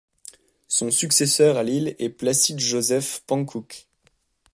Son successeur à Lille est Placide-Joseph Panckoucke.